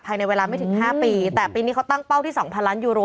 ภายในเวลาไม่ถึงห้าปีแต่ปีนี้เขาตั้งเป้าที่สองพันล้านยูโร